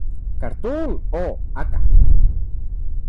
Cartoon o a.k.a.